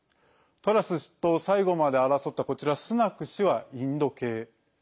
トラス氏と最後まで争ったこちら、スナク氏はインド系。